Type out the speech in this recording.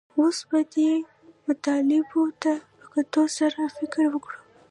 اوس به دې مطالبو ته په کتو سره فکر وکړو